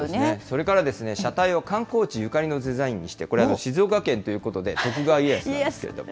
それからですね、車体を観光地ゆかりのデザインにしてこれ、静岡県ということで、徳川家康なんですけども。